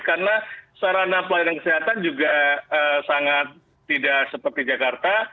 karena sarana pelayanan kesehatan juga sangat tidak seperti jakarta